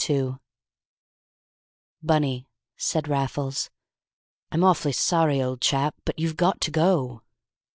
II "Bunny," said Raffles, "I'm awfully sorry, old chap, but you've got to go."